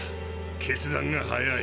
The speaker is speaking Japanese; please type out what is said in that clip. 決断が早い。